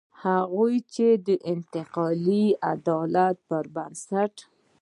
هغوی چې د انتقالي عدالت پر بنسټ.